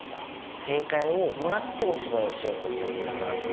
正解をもらってお芝居をしようとしちゃってたな。